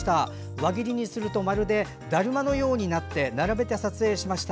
輪切りにするとだるまのようになって並べて撮影しました。